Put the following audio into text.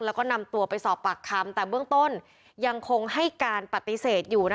แล้วก็นำตัวไปสอบปากคำแต่เบื้องต้นยังคงให้การปฏิเสธอยู่